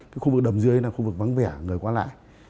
khu vực đầm dươi là khu vực đầm dươi